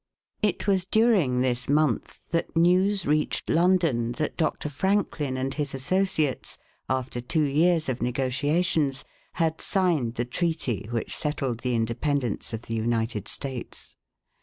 It was during this month that news reached London, that Dr. Franklin and his associates, after two years of negotiations, had signed the treaty which settled the independence of the United States.